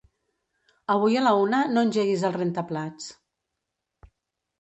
Avui a la una no engeguis el rentaplats.